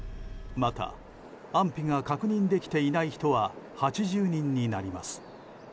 また、安否が確認できていない人は８０人になります。